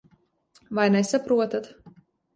Vai nesaprotat?